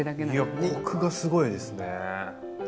いやコクがすごいですね。